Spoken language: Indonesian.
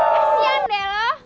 kasian deh lo